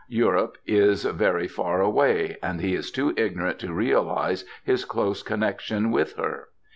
Europe is very far away; and he is too ignorant to realise his close connection with her.